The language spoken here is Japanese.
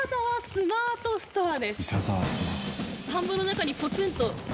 スマートストア？